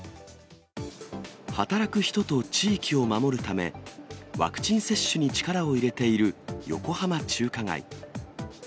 働く人と地域を守るため、ワクチン接種に力を入れている横浜中華街。